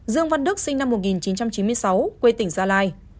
dương văn đức sinh năm một nghìn chín trăm chín mươi sáu quê tỉnh gia lai